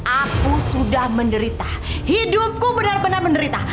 aku sudah menderita hidupku benar benar menderita